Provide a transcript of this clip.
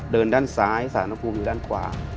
ด้านซ้ายสารภูมิอยู่ด้านขวา